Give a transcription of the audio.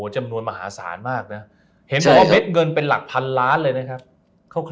จำนวนมหาศาลมากนะเห็นบอกว่าเด็ดเงินเป็นหลักพันล้านเลยนะครับ